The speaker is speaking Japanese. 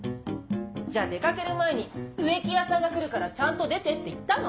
じゃあ出かける前に植木屋さんが来るからちゃんと出てって言ったの？